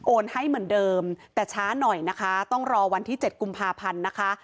ให้เหมือนเดิมแต่ช้าหน่อยนะคะต้องรอวันที่๗กุมภาพันธ์นะคะ